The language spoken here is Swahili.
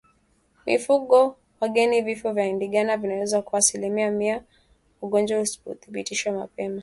Kwa mifugo wageni vifo vya Ndigana vinaweza kuwa asilimia mia ugonjwa usipodhibitiwa mapema